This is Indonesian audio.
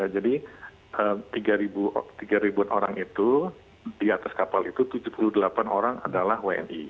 jadi tiga orang itu di atas kapal itu tujuh puluh delapan orang adalah wni